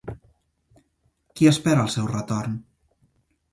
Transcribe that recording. Qui espera el seu retorn?